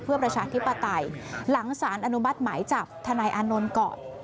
เพื่อประชาธิปไตยหลังสารอนุมัติหมายจับทนายอานนท์เกาะ